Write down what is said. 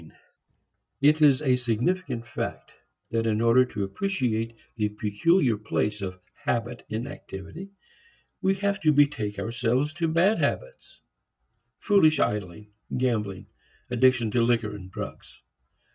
II It is a significant fact that in order to appreciate the peculiar place of habit in activity we have to betake ourselves to bad habits, foolish idling, gambling, addiction to liquor and drugs.